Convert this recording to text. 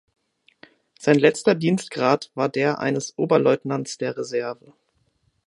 Sein letzter Dienstgrad war der eines Oberleutnants der Reserve.